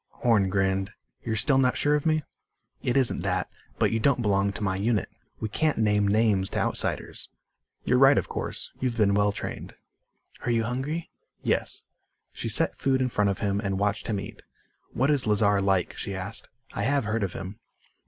Horn grinned. "You're still not sure of me?" "It isn't that. But you don't belong to my unit. We can't name names to outsiders." "You're right, of course. You've been well trained." "Are you hungry?" "Yes." She set food in front of him and watched him eat. "What is Lazar like?" she asked. "I have heard of him."